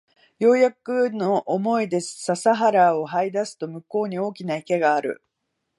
ようやくの思いで笹原を這い出すと向こうに大きな池がある